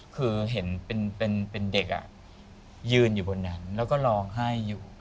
คือเห็นเป็นเด็กยืนอยู่บนนั้นแล้วก็ร้องไห้อยู่